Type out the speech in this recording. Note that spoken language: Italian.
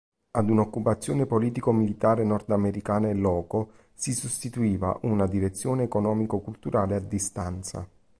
Ad una occupazione politico-militare nordamericana "in loco", si sostituiva una direzione economico-culturale a distanza.